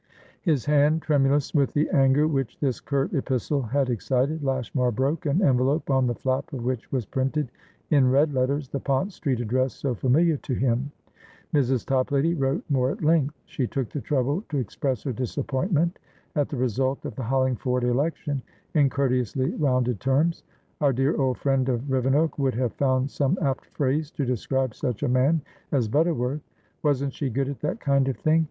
His hand tremulous with the anger which this curt epistle had excited, Lashmar broke an envelope on the flap of which was printed in red letters the Pont Street address so familiar to him. Mrs. Toplady wrote more at length; she took the trouble to express her disappointment at the result of the Hollingford election in courteously rounded terms"Our dear old friend of Rivenoak would have found some apt phrase to describe such a man as Butterworth. Wasn't she good at that kind of thing!